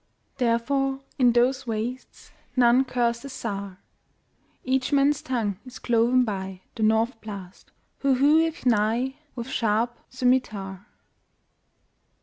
Therefore, in those wastesNone curse the Czar.Each man's tongue is cloven byThe North Blast, who heweth nighWith sharp scymitar.